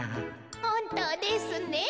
ほんとうですねえ。